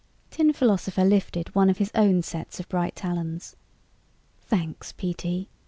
Tin Philosopher lifted one of his own sets of bright talons. "Thanks, P.